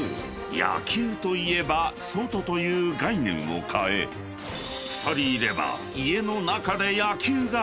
野球といえば外という概念を変え２人いれば家の中で野球ができる］